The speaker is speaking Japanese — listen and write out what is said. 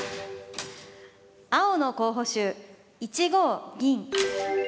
青の候補手１五銀。